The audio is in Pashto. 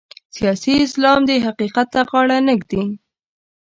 سیاسي اسلام دې حقیقت ته غاړه نه ږدي.